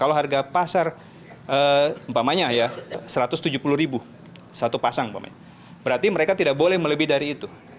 kalau harga pasar umpamanya ya rp satu ratus tujuh puluh ribu satu pasang berarti mereka tidak boleh melebih dari itu